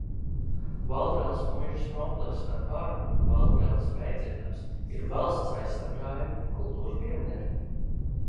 Valdgales muižas komplekss ar parku un Valdgales vējdzirnavas ir valsts aizsargājami kultūras pieminekļi.